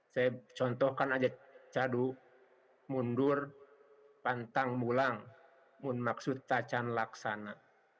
saya contohkan aja cadu mundur pantang mulang mun maksud tacan laksana